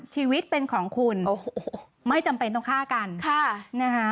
ชีวิตเป็นของคุณโอ้โหไม่จำเป็นต้องฆ่ากันค่ะนะฮะ